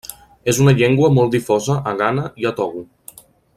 És una llengua molt difosa a Ghana i a Togo.